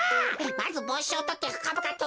まずぼうしをとってふかぶかと。